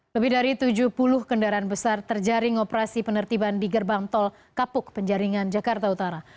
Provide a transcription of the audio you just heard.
lebih dari tujuh puluh kendaraan besar terjaring operasi penertiban di gerbang tol kapuk penjaringan jakarta utara